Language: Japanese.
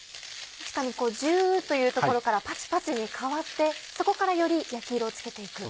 確かにジュというところからパチパチに変わってそこからより焼き色をつけて行く。